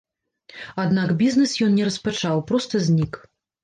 Аднак бізнес ён не распачаў, проста знік.